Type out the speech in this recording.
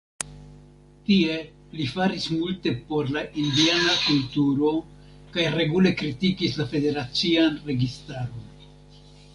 Tie li faris multe por la indiana kulturo kaj regule kritikis la federacian registaron.